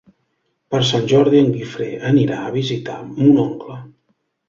Per Sant Jordi en Guifré anirà a visitar mon oncle.